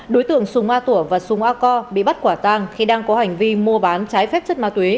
đối tượng sùng a tủa và sùng a co bị bắt quả tang khi đang có hành vi mua bán trái phép chất ma túy